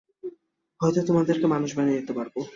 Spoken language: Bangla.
হয়তো তোমাদেরকে মানুষ বানিয়ে দিতে পারত।